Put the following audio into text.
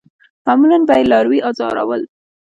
معمولاً به یې لاروي آزارول.